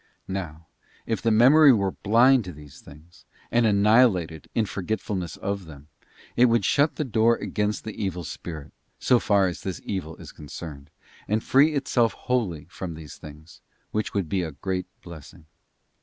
Now if the memory were blind to these things, and annihilated in forgetfulness of them, it would shut the door against the evil spirit, so far as this evil is concerned, and free itself wholly from these things, which would be a great blessing.